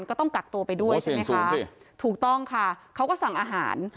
ก็ต้องกักตัวไปด้วยใช่ไหมคะถูกต้องค่ะเขาก็สั่งอาหาร